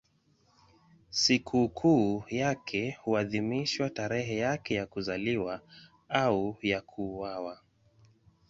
Sikukuu yake huadhimishwa tarehe yake ya kuzaliwa au ya kuuawa.